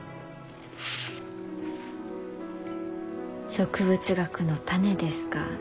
植物学の種ですか。